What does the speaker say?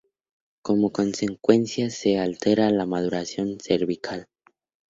Como consecuencia se altera la maduración cervical.